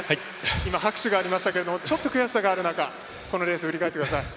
今、拍手がありましたがちょっと悔しさがある中このレース、振り返ってください。